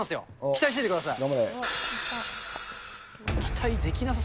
期待しててください！